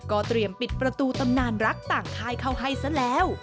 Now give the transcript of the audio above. เตรียมปิดประตูตำนานรักต่างค่ายเข้าให้ซะแล้ว